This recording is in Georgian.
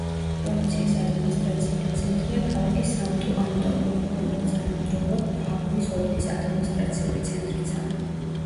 პროვინციის ადმინისტრაციული ცენტრია ქალაქი სანტუ-ანტონიუ, რომელიც ამავდროულად პაგუის ოლქის ადმინისტრაციული ცენტრიცაა.